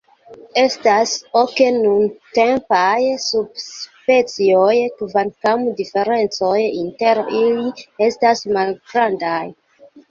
Estas ok nuntempaj subspecioj, kvankam diferencoj inter ili estas malgrandaj.